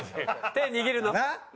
手握るの？